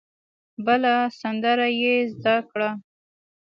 بله سندره یې زده کړه.